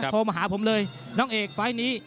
โทรมาหาผมเลยน้องเอกไฟล์นี้